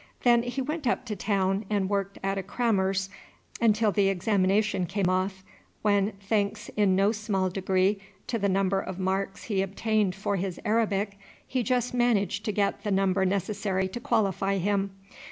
Then he went up to town and worked at a crammer's until the examination came off, when, thanks in no small degree to the number of marks he obtained for his Arabic, he just managed to get the number necessary to qualify him.